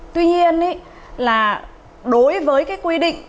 tuy nhiên là đối với cái quy định